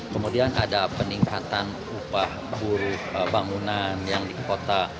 kemudian ada peningkatan upah buruh bangunan yang di kota